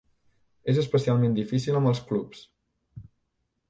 És especialment difícil amb els clubs.